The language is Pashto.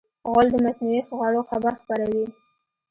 غول د مصنوعي خوړو خبر خپروي.